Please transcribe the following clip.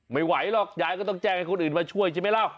ไม่ไหวหรอกยายก็ต้องแจ้งให้คนอื่นมาช่วยใช่ไหมล่ะ